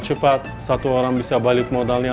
cepat satu orang bisa balik modalnya